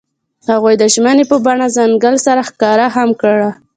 هغوی د ژمنې په بڼه ځنګل سره ښکاره هم کړه.